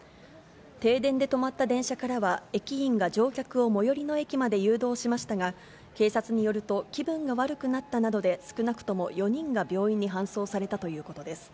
停電で止まった電車からは、駅員が乗客を最寄りの駅まで誘導しましたが、警察によると、気分が悪くなったなどで、少なくとも４人が病院に搬送されたということです。